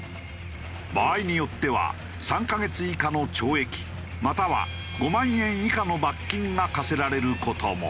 場合によっては３カ月以下の懲役または５万円以下の罰金が科せられる事も。